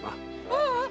ううん！